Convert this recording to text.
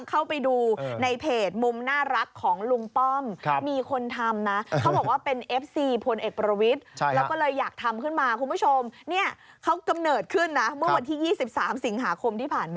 คุณผู้ชมเนี่ยเขากำเนิดขึ้นนะมื่อวันที่๒๓สิงหาคมที่ผ่านมา